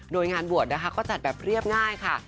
โดยงานบวชนะคะก็จัดแบบเรียบง่ายค่ะ